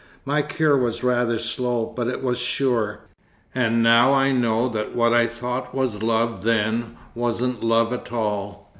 My cure was rather slow, but it was sure; and now I know that what I thought was love then wasn't love at all.